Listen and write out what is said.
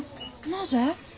なぜ？